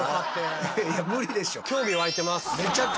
いや無理でしょ。